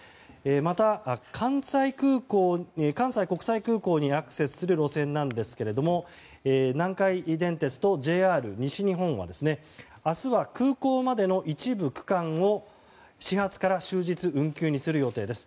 また、関西国際空港にアクセスする路線ですが南海電鉄とＪＲ西日本は明日は空港までの一部区間を始発から終日運休にする予定です。